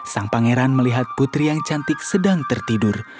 sang pangeran melihat putri yang cantik sedang tertidur